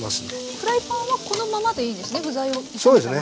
フライパンはこのままでいいんですね？